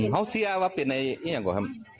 โห